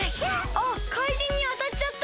あっかいじんにあたっちゃった！